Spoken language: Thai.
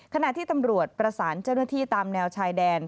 ขณะที่ตำรวจประสานเจ้าหน้าที่ตามแนวชายแดน